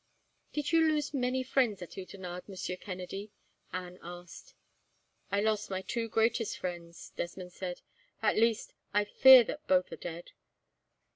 "Did you lose many friends at Oudenarde, Monsieur Kennedy?" Anne asked. "I lost my two greatest friends," Desmond said. "At least, I fear that both are dead.